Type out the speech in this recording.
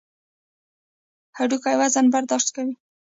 هډوکي وزن برداشت کوي.